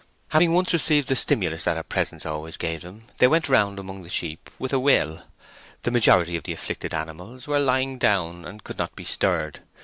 Having once received the stimulus that her presence always gave them they went round among the sheep with a will. The majority of the afflicted animals were lying down, and could not be stirred.